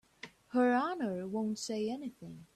Her Honor won't say anything.